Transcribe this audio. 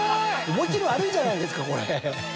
思いっ切り悪いじゃないですかこれ。